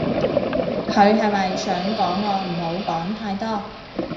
佢係咪想講我唔好講太多